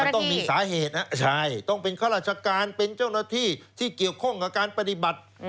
ต้องมีสาเหตุนะเกี่ยวข้องกับการปฏิบัติหน้าที่